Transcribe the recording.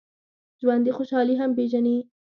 ژوندي خوشحالي هم پېژني